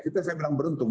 itu saya bilang beruntung